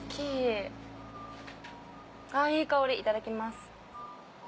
あいい香りいただきます。